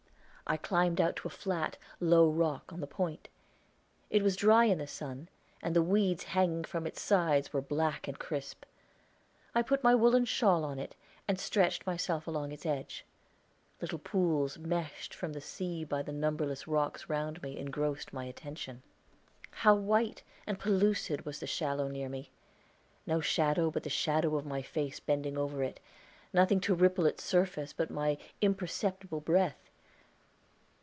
I climbed out to a flat, low rock, on the point; it was dry in the sun, and the weeds hanging from its sides were black and crisp; I put my woolen shawl on it, and stretched myself along its edge. Little pools meshed from the sea by the numberless rocks round me engrossed my attention. How white and pellucid was the shallow near me no shadow but the shadow of my face bending over it nothing to ripple its surface, but my imperceptible breath!